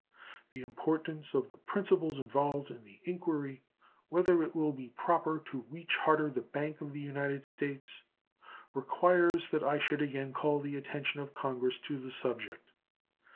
The importance of the principles involved in the inquiry whether it will be proper to recharter the Bank of the United States requires that I should again call the attention of Congress to the subject.